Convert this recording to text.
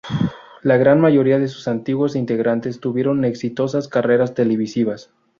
La gran mayoría de sus antiguos integrantes tuvieron exitosas carreras televisivas.